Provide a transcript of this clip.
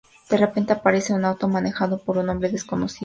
De repente, aparece un auto manejado por un hombre desconocido.